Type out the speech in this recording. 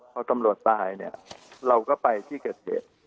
พอตำรวจตายเราก็ไปที่เกษตร